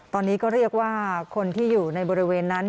ตอนนี้ก็เรียกว่าคนที่อยู่ในบริเวณนั้น